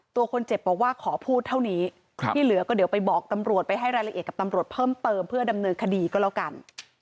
ตัวคนเจ็บบอกว่าขอพูดเท่านี้ที่เหลือก็เดี๋ยวไปบอกตำรวจไปให้รายละเอียดกับตำรวจเพิ่มเติมเพื่อดำเนินคดีก็แล้วกัน